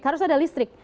harus ada listrik